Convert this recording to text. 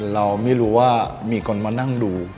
เราไม่รู้ว่ามีคนมานั่งดู